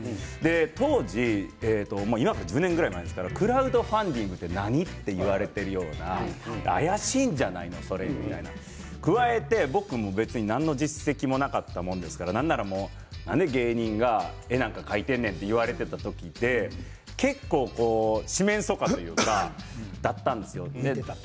当時、今から１０年前クラウドファンディングって何？と言われているような怪しいんじゃないの？と加えて僕も何の実績もなかったものですからなんで芸人が絵なんて描いてんねんと言われていた時で四面そ歌というかそうだったんですよ。